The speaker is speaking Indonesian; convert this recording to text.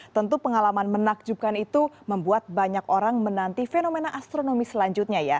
tentu pengalaman menakjubkan itu membuat banyak orang menanti fenomena astronomi selanjutnya ya